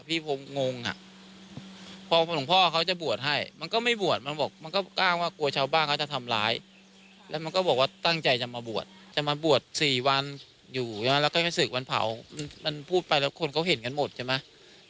งงอ่ะพอหลวงพ่อเขาจะบวชให้มันก็ไม่บวชมันบอกมันก็อ้างว่ากลัวชาวบ้านเขาจะทำร้ายแล้วมันก็บอกว่าตั้งใจจะมาบวชจะมาบวช๔วันอยู่ใช่ไหมแล้วก็ให้ศึกวันเผามันพูดไปแล้วคนเขาเห็นกันหมดใช่ไหม